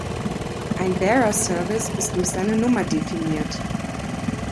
Ein Bearer Service ist durch seine Nummer definiert.